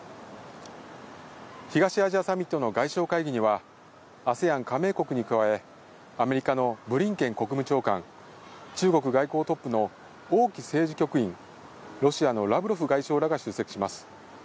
東アジアサミットの外相会合にはＡＳＥＡＮ加盟国に加え、アメリカのブリンケン国務長官、中国外交トップのオウ・キ政治局員、ロシアのラブロフ外相らが出席します。